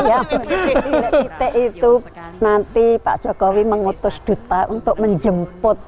ya ite itu nanti pak jokowi mengutus duta untuk menjemput